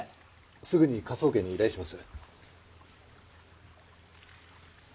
すぐに科捜研に依頼します。